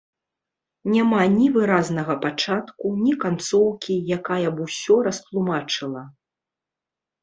Няма ні выразнага пачатку, ні канцоўкі, якая б усё растлумачыла.